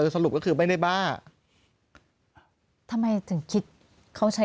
สรุปก็คือไม่ได้บ้า